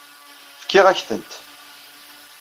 Fkiɣ-ak-tent.